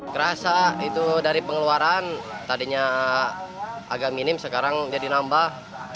kerasa itu dari pengeluaran tadinya agak minim sekarang jadi nambah